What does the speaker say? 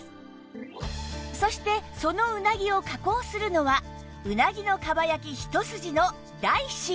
そしてそのうなぎを加工するのはうなぎの蒲焼一筋の大新